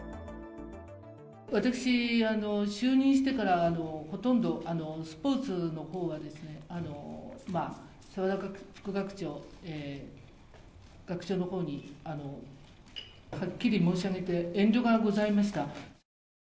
私、就任してからほとんどスポーツのほうはですね、澤田副学長、学長のほうに、はっきり申し上げて、遠慮がございました。